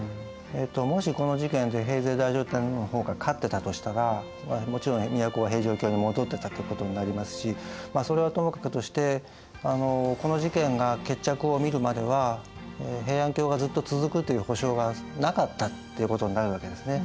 もしこの事件で平城太上天皇の方が勝ってたとしたらもちろん都は平城京に戻ってたってことになりますしそれはともかくとしてこの事件が決着を見るまでは平安京がずっと続くという保証がなかったっていうことになるわけですね。